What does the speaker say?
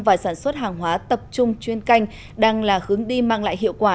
và sản xuất hàng hóa tập trung chuyên canh đang là hướng đi mang lại hiệu quả